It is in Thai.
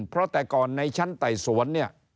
เพราะแต่ก่อนในชั้นแต่สวน